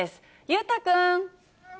裕太君。